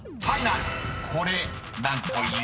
［これ何という？］